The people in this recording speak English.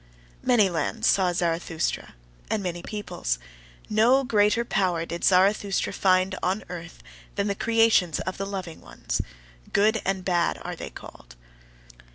Many lands saw Zarathustra, and many peoples: no greater power did Zarathustra find on earth than the creations of the loving ones "good" and "bad" are they called.